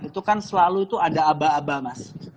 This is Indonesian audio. itu kan selalu itu ada aba aba mas